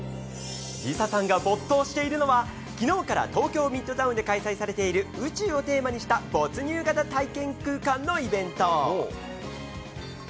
ＬｉＳＡさんが没頭しているのは、きのうから東京ミッドタウンで開催されている、宇宙をテーマにした没入型体験空間のイベント。